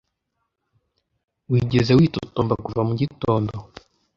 Wigeze witotombakuva mugitondo